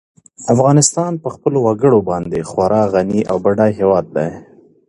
افغانستان په خپلو وګړي باندې خورا غني او بډای هېواد دی.